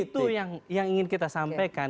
itu yang ingin kita sampaikan